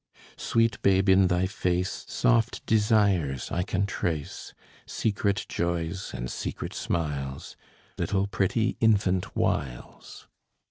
Sweet babe, in thy face Soft desires I can trace, Secret joys and secret smiles, Little pretty infant wiles.